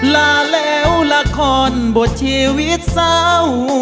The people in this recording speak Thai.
ลาแล้วละครบทชีวิตเศร้า